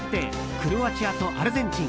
クロアチアとアルゼンチン。